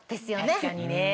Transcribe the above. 確かにね。